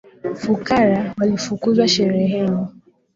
Fukara walifukuzwa shereheni